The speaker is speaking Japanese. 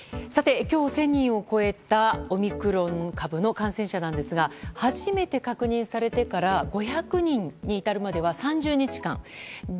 今日１０００人を超えたオミクロン株の感染者ですが初めて確認されてから５００人に至るまでは３０日間。